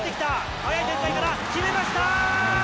速い展開から、決めました！